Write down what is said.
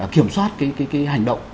kiểm soát cái hành động